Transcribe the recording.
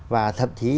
và thậm chí